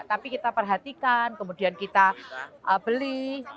tapi kita perhatikan kemudian kita beli